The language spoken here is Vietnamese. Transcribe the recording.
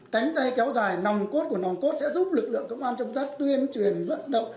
cánh tay kéo dài nòng cốt của nòng cốt sẽ giúp lực lượng công an trung tất tuyên truyền vận động